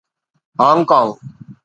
Hong Kong